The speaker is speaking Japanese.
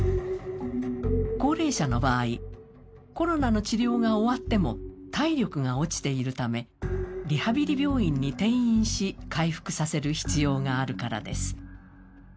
高齢者の場合コロナの治療が終わっても体力が落ちているためリハビリ病院に転院し、回復させる必要があるからです。